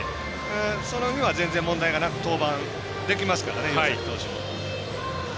その辺は全然、問題なく登板できますからね岩崎投手も。